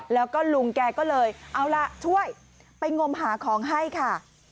แล้วก็ลุงแกก็เลยเอาล่ะช่วยไปงมหาของให้ค่ะ